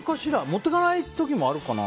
持ってかない時もあるかな。